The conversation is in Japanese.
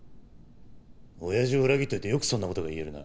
親父を裏切っといてよくそんな事が言えるな。